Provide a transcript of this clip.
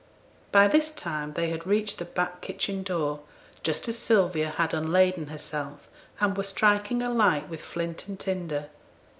By this time they had reached the back kitchen door, just as Sylvia had unladen herself, and was striking a light with flint and tinder.